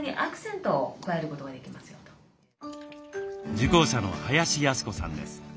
受講者の林泰子さんです。